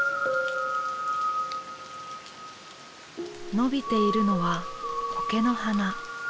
伸びているのはコケの花。